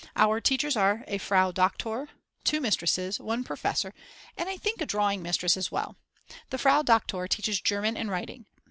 Our teachers are a Frau Doktor, 2 mistresses, one professor, and I think a drawing mistress as well. The Frau Doktor teaches German and writing.